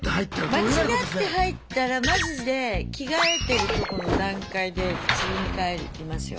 間違って入ったらマジで着替えてるとこの段階で普通に帰りますよ。